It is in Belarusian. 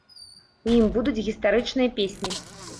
У ім будуць гістарычныя песні.